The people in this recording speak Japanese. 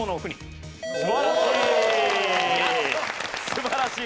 素晴らしい！